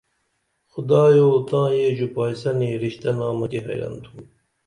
خدایو تاں یہ ژُپائسنی رشتہ نامہ کی حیرن تُھم